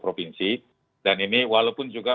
provinsi dan ini walaupun juga